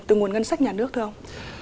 từ nguồn ngân sách nhà nước thưa ông